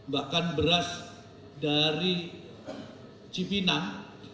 bahkan beras dari cipinang